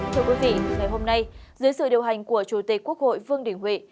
thưa quý vị ngày hôm nay dưới sự điều hành của chủ tịch quốc hội vương đình huệ